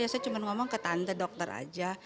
saya cuma ngomong ke tante dokter aja